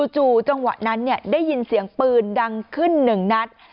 จู่จังหวะนั้นได้ยินเสียงปืนดังขึ้นหนึ่งนัด